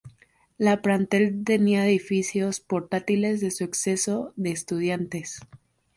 La plantel tenía edificios portátiles de su exceso de estudiantes.